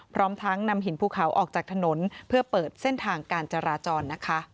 พร้อมทั้งนำหินภูเขาออกจากถนนเพื่อเปิดเส้นทางการจราจรนะคะ